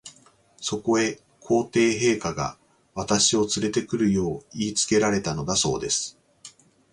そこへ、皇帝陛下が、私をつれて来るよう言いつけられたのだそうです。